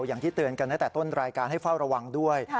อย่างที่เตือนกันตั้งแต่ต้นรายการให้เฝ้าระวังด้วย